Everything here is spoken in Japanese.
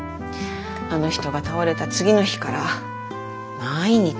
あの人が倒れた次の日から毎日。